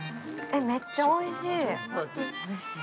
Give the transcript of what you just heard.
めっちゃおいしい。